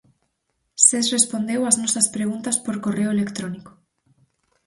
Ses respondeu as nosas preguntas por correo electrónico.